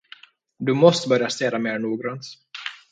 Du måste börja städa mer noggrant.